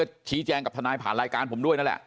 ชี้แจงกับทนายผ่านรายการผมด้วยนั่นแหละ